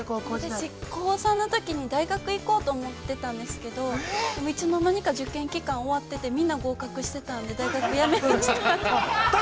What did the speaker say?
◆私、高３のときに大学行こうと思ってたんですけど、でも、いつの間にか受験期間終わっててみんな合格してたんで大学やめました。